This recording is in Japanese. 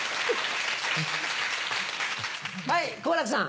はい好楽さん。